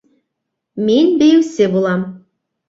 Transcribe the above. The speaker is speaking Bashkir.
Мин бейеүсе булам!